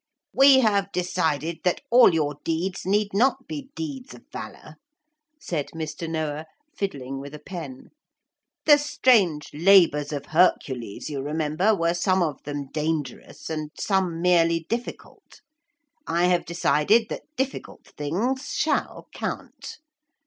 'We have decided that all your deeds need not be deeds of valour,' said Mr. Noah, fiddling with a pen. 'The strange labours of Hercules, you remember, were some of them dangerous and some merely difficult. I have decided that difficult things shall count.